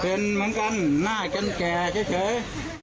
เป็นเหมือนกันหน้าจนแก่เฉย